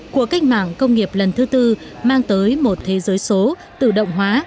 của cách mạng công nghiệp lần thứ tư mang tới một thế giới số tự động hóa